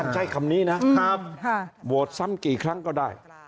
ใช้คำนี้นะครับโหวตซ้ำกี่ครั้งก็ได้